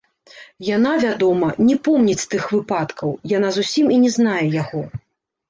Яна, вядома, не помніць тых выпадкаў, яна зусім і не знае яго.